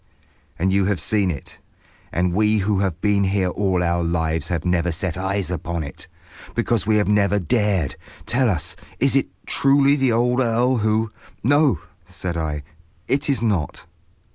"And you have seen it. And we who have been here all our lives have never set eyes upon it. Because we have never dared. Tell us, is it truly the old earl who—" "No," said I, "it is not."